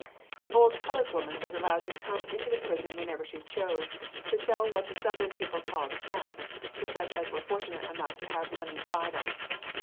An old colored woman was allowed to come into the prison whenever she chose, to sell what the southern people call "snacks," to such as were fortunate enough to have money to buy them.